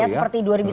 jangan buru buru ya